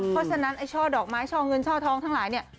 เพราะฉะนั้นไอ้ช่อดอกไม้ช่อเงินช่อทองทั้งหลายเนี่ย